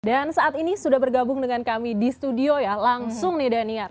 dan saat ini sudah bergabung dengan kami di studio ya langsung nih daniel